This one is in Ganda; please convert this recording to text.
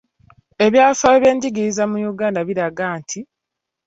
Ebyafaayo by’ebyenjigiriza mu Uganda bitulaga nti,